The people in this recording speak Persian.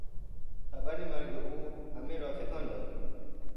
خبر مرگ او همه را تکان داد.